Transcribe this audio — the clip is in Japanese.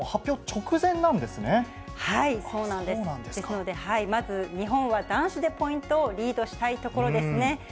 ですので、まず日本は男子でポイントをリードしたいところですね。